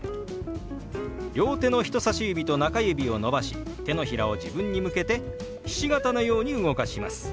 両手の人さし指と中指を伸ばし手のひらを自分に向けてひし形のように動かします。